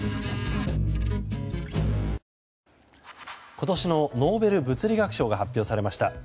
今年のノーベル物理学賞が発表されました。